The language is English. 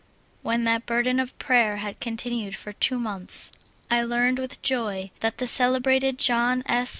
When that burden of prayer had continued for two months, I learned with joy that the celebrated John S.